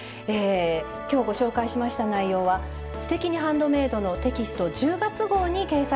今日ご紹介しました内容は「すてきにハンドメイド」のテキスト１０月号に掲載されています。